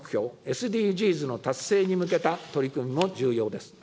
・ＳＤＧｓの達成に向けた取り組みも重要です。